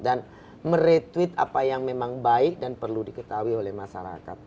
dan meretweet apa yang memang baik dan perlu diketahui oleh masyarakat